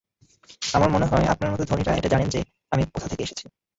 আমার মনে হয় আপনার মতো ধনীরা এটা জানেন যে, আমি কোথা থেকে এসেছি।